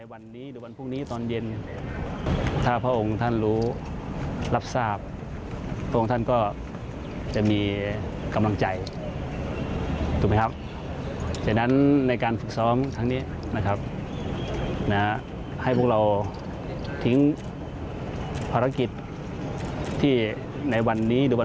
พี่คิดว่าพวกเราไม่เหลือบากกว่าแรงของพวกเรา